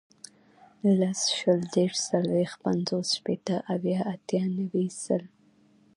لس, شل, دېرش, څلوېښت, پنځوس, شپېته, اویا, اتیا, نوي, سل